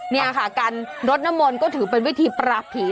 นี่ค่ะการรดน้ำมนต์ก็ถือเป็นวิธีปราบผี